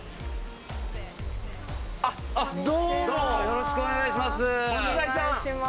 よろしくお願いします。